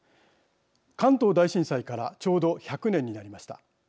関東大震災からちょうど１００年になりました。